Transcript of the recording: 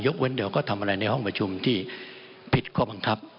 เว้นเดี๋ยวก็ทำอะไรในห้องประชุมที่ผิดข้อบังคับ